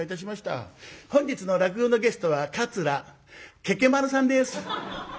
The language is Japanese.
「本日の落語のゲストは桂ケケ丸さんです」。